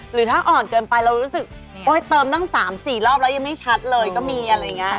หรือถ้าอ่อนเกินไปเรารู้สึกโอ๊ยเติมตั้ง๓๔รอบแล้วยังไม่ชัดเลยก็มีอะไรอย่างนี้